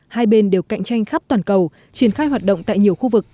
hai bên đều cạnh tranh khắp toàn cầu triển khai hoạt động tại nhiều khu vực